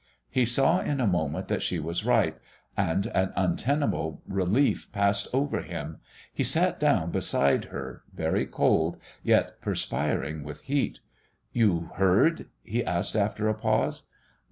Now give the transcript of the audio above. He saw in a moment that she was right, and an untenable relief passed over him. He sat down beside her, very cold, yet perspiring with heat. "You heard ?" he asked after a pause.